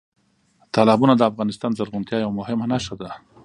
تالابونه د افغانستان د زرغونتیا یوه مهمه نښه ده.